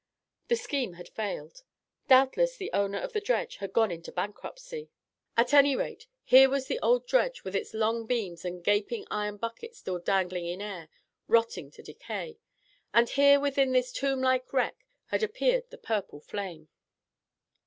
The scheme had failed. Doubtless the owner of the dredge had gone into bankruptcy. At any rate, here was the old dredge with its long beams and gaping iron bucket still dangling in air, rotting to decay. And here within this tomblike wreck had appeared the purple flame.